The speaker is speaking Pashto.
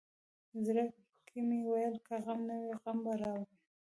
زړه کې مې ویل که غم نه وي غم به راوړي.